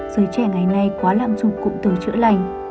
trẻ ngày nay quá làm dụng cụm từ chữa lành